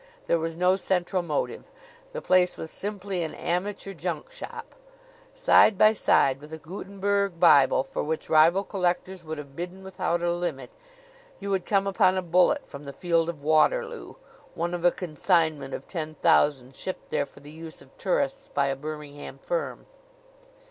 There was no central motive; the place was simply an amateur junk shop. Side by side with a Gutenberg Bible for which rival collectors would have bidden without a limit, you would come on a bullet from the field of Waterloo, one of a consignment of ten thousand shipped there for the use of tourists by a Birmingham firm.